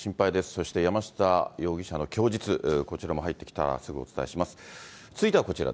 そして山下容疑者の供述、こちらも入ってきたらすぐお伝えします。